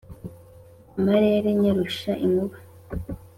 amarere nyarusha inkuba